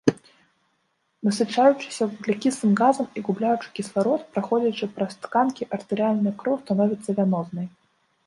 Насычаючыся вуглякіслым газам і губляючы кісларод, праходзячы праз тканкі артэрыяльная кроў становіцца вянознай.